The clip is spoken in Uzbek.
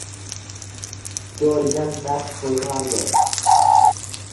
Joyidan dast qo‘zg‘oldi.